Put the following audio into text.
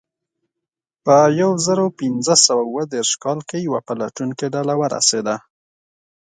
په یو زرو پینځه سوه اوه دېرش کال کې یوه پلټونکې ډله ورسېده.